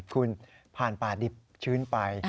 คุณผ่านป่าดิบชื้นไป